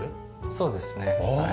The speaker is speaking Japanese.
そうですね。